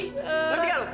ngerti nggak lu